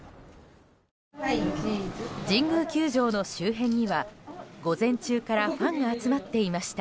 神宮球場の周辺には午前中からファンが集まっていました。